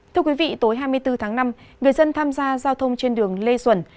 thưa quý vị tối hai mươi bốn tháng năm người dân tham gia giao thông trên đường lê duẩn